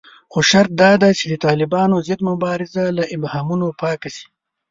خو شرط داده چې د طالبانو ضد مبارزه له ابهامونو پاکه شي